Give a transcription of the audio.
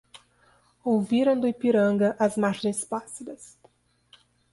Ouviram do Ipiranga, às margens plácidas